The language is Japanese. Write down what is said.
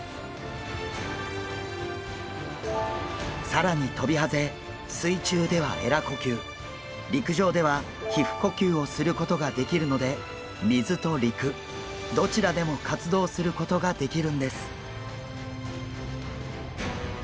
更にトビハゼ水中ではえら呼吸陸上では皮ふ呼吸をすることができるので水と陸どちらでも活動することができるんです。